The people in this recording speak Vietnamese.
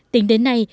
tính đến nay